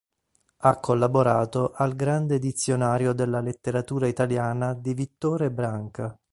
Ha collaborato al "Grande dizionario della letteratura italiana" di Vittore Branca.